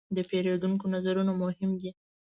د پیرودونکو نظرونه مهم دي.